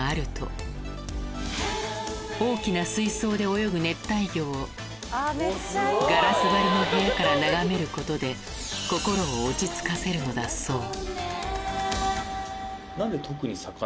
大きな水槽で泳ぐ熱帯魚をガラス張りの部屋から眺めることで心を落ち着かせるのだそう